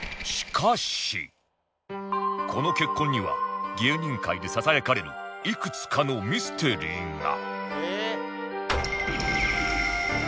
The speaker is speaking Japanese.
この結婚には芸人界でささやかれるいくつかのミステリーが